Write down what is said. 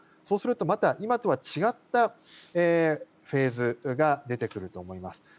そうすると今とは違ったフェーズが出てくると思います。